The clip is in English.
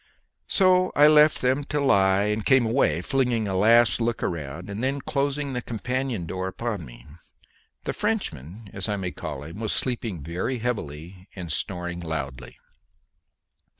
So I left them to lie and came away, flinging a last look round, and then closing the companion door upon me. The Frenchman, as I may call him, was sleeping very heavily and snoring loudly.